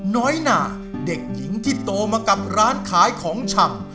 น้อยหนาเด็กหญิงที่โตมากับร้านขายของชำ